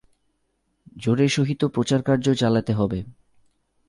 জোরের সহিত প্রচারকার্য চালাতে হবে।